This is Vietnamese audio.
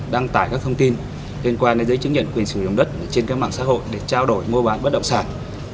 đăng tải các thông tin liên quan đến giấy chứng nhận quyền sử dụng đất trên các mạng xã hội để trao đổi mua bán bất động sản